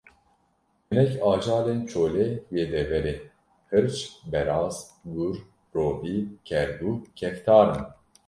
Hinek ajalên çolê yê deverê: hirç, beraz, gur, rovî, kerguh, keftar in